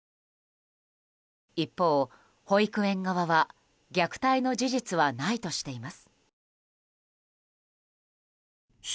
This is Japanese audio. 一方、保育園側は虐待の事実はないとしています。